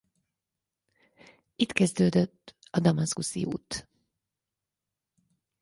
Itt kezdődött a damaszkuszi út.